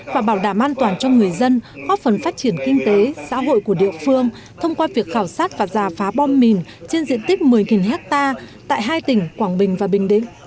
và bảo đảm an toàn cho người dân góp phần phát triển kinh tế xã hội của địa phương thông qua việc khảo sát và giả phá bom mìn trên diện tích một mươi hectare tại hai tỉnh quảng bình và bình định